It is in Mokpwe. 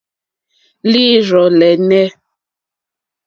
Líǐrzɔ̀ lɛ́nɛ̀.